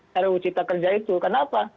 cara uci kita kerja itu karena apa